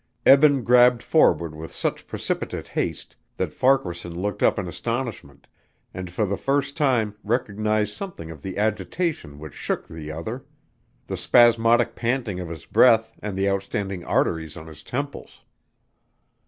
Eben grabbed forward with such precipitate haste that Farquaharson looked up in astonishment and for the first time recognized something of the agitation which shook the other: the spasmodic panting of his breath and the outstanding arteries on his temples.